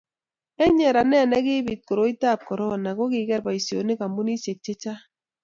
eng' nyeranet ne kiibi koroitab korono kokiker boisionik kampunisiek che chang'